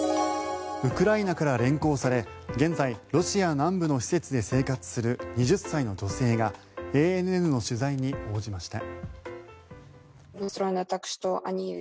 ウクライナから連行され現在ロシア南部の施設で生活する２０歳の女性がＡＮＮの取材に応じました。